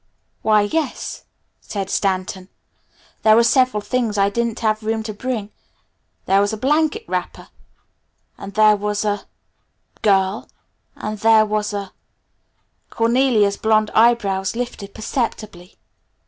"Why yes," said Stanton. "There were several things I didn't have room to bring. There was a blanket wrapper. And there was a girl, and there was a " Cornelia's blonde eyebrows lifted perceptibly.